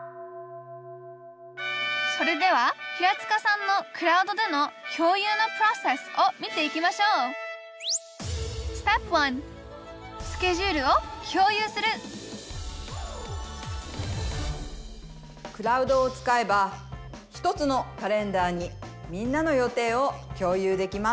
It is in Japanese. それでは平塚さんのクラウドでの共有のプロセスを見ていきましょうクラウドを使えば１つのカレンダーにみんなの予定を共有できます。